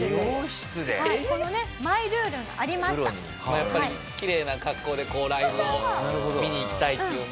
やっぱりきれいな格好でライブを見に行きたいっていう思いが。